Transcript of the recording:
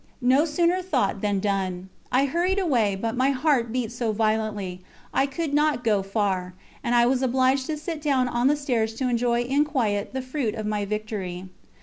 No sooner thought than done. I hurried away, but my heart beat so violently, I could not go far, and I was obliged to sit down on the stairs to enjoy in quiet the fruit of my victory.